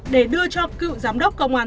để đưa cho cựu giám đốc công an